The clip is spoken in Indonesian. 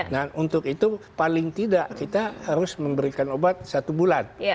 nah untuk itu paling tidak kita harus memberikan obat satu bulan